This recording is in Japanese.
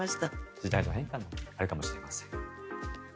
時代の変化なのかもしれません。